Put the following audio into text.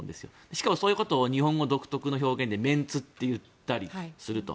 しかも、そういうことを日本語独特の表現でメンツと言ったりすると。